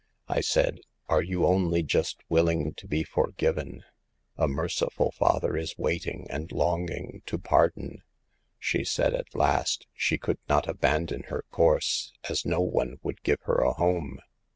I said : 4 Are you only just willing to be forgiven ? A merciful Father is waiting and longing to pardon.' She said at last, she could not abandon her course, as no one would give her a home.